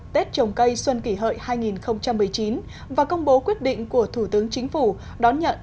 tết trồng cây xuân kỷ hợi hai nghìn một mươi chín và công bố quyết định của thủ tướng chính phủ đón nhận